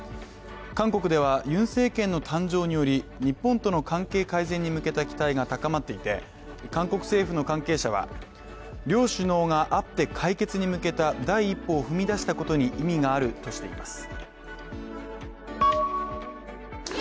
韓国ではユン政権の誕生により、日本との関係改善に向けた期待が高まっていて韓国政府の関係者は、両首脳が会って解決に向けた第一歩を踏み出したことに意味があるとしています。